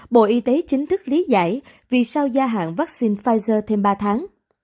bộ y tế chính thức lý giải vì sao gia hạn vaccine pfizer thêm ba tháng